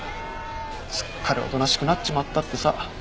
すっかりおとなしくなっちまったってさ。